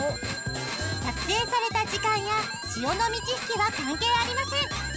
作成された時間や潮の満ち引きは関係ありません